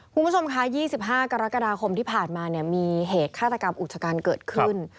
คุณผู้ชมคะ๒๕กรกฎาคมที่ผ่านมาเนี่ยมีเหตุฆาตกรรมอุกชกันเกิดขึ้น